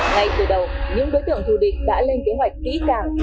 ngay từ đầu những đối tượng thù địch đã lên kế hoạch kỹ càng